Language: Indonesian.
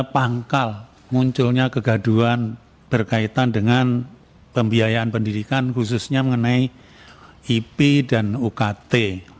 pangkal munculnya kegaduan berkaitan dengan pembiayaan pendidikan khususnya mengenai ip dan ukt